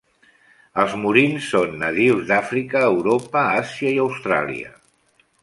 Els murins són nadius d'Àfrica, Europa, Àsia i Austràlia.